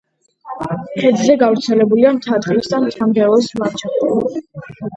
ქედზე გავრცელებულია მთა-ტყისა და მთა-მდელოს ლანდშაფტები.